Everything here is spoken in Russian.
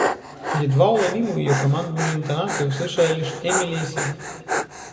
Едва уловимую её командную интонацию услышала лишь Эмили и Сэм.